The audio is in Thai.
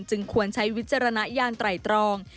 จึงควรใช้วิจารณาย่างไตรตรอง